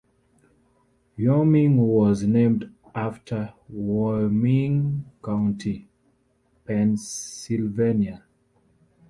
Wyoming was named after Wyoming County, Pennsylvania.